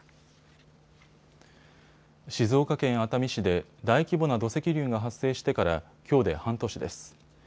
静岡県熱海市で大規模な土石流が発生してから、きょうで半年です。